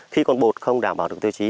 khi con bột không đảm bảo được tiêu chí